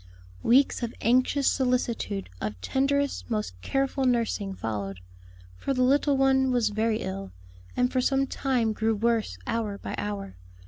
Weeks of anxious solicitude, of tenderest, most careful nursing, followed; for the little one was very ill, and for some time grew worse hour by hour.